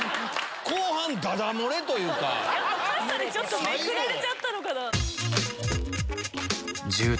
カッサでちょっとめくられちゃったのかな。